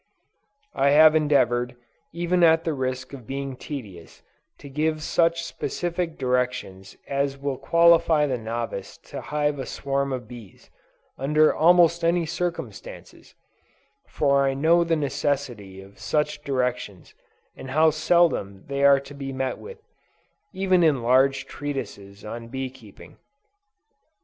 I have endeavored, even at the risk of being tedious, to give such specific directions as will qualify the novice to hive a swarm of bees, under almost any circumstances; for I know the necessity of such directions and how seldom they are to be met with, even in large treatises on Bee Keeping.